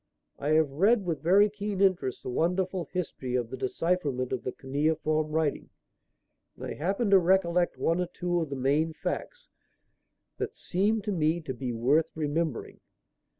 I have read with very keen interest the wonderful history of the decipherment of the cuneiform writing, and I happen to recollect one or two of the main facts that seemed to me to be worth remembering.